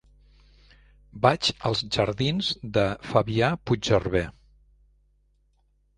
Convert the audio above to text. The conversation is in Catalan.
Vaig als jardins de Fabià Puigserver.